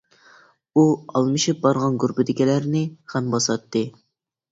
ئۇ ئالمىشىپ بارغان گۇرۇپپىدىكىلەرنى غەم باساتتى.